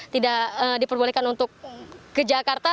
tidak diperbolehkan untuk ke jakarta